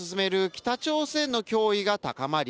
北朝鮮の脅威が高まり